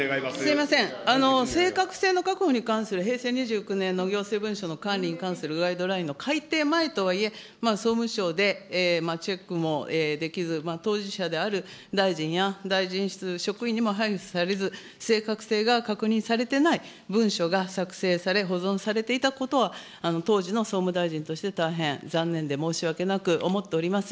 すみません、正確性に確保に関する平成２９年の行政文書の管理に関するガイドラインの改定前とはいえ、総務省でチェックもできず、当事者である大臣や、大臣室職員にも配付されず、正確性が確認されていない文書が作成され、保存されていたことは、当時の総務大臣として大変残念で申し訳なく思っております。